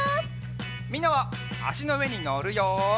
みんなはあしのうえにのるよ。